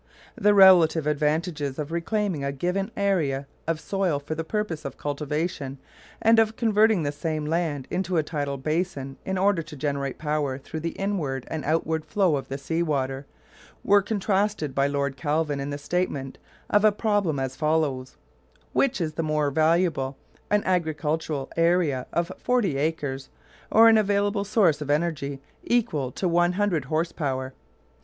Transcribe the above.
The relative advantages of reclaiming a given area of soil for purposes of cultivation, and of converting the same land into a tidal basin in order to generate power through the inward and outward flow of the sea water, were contrasted by Lord Kelvin in the statement of a problem as follows: Which is the more valuable an agricultural area of forty acres or an available source of energy equal to one hundred horse power?